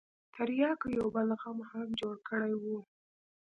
ترياکو يو بل غم هم جوړ کړى و.